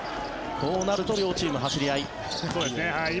こうなると両チーム、走り合い。